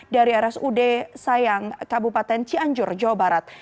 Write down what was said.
dari rsud sayang kabupaten cianjur jawa barat